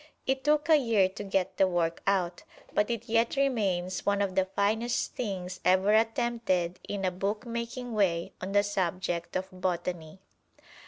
It took a year to get the work out, but it yet remains one of the finest things ever attempted in a bookmaking way on the subject of botany.